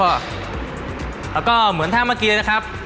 แล้วก็เหมือนถ้าเมื่อกี้นะครับ